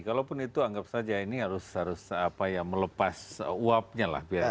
kalaupun itu anggap saja ini harus melepas uapnya lah